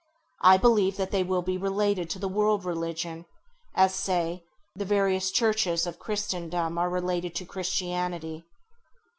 I believe that they will be related to the World Religion, as, say, the various Churches of Christendom are related to Christianity.